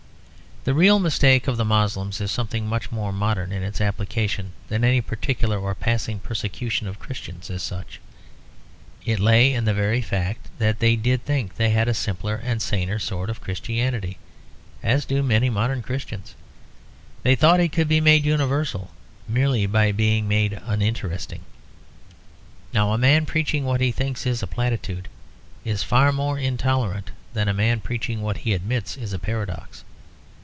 The real mistake of the Moslems is something much more modern in its application than any particular or passing persecution of Christians as such. It lay in the very fact that they did think they had a simpler and saner sort of Christianity, as do many modern Christians. They thought it could be made universal merely by being made uninteresting. Now a man preaching what he thinks is a platitude is far more intolerant than a man preaching what he admits is a paradox.